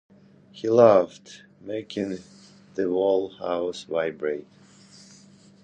He laughed, making the whole house vibrate.